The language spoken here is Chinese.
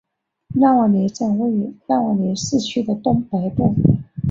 拉瓦勒站位于拉瓦勒市区的东北部。